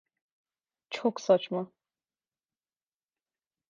Çok saçma.